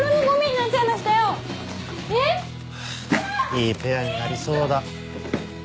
いいペアになりそうだ。